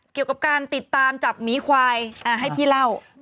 เกี่ยวกับการติดตามจับหมีควายให้พี่เล่า